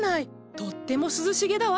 とっても涼しげだわ。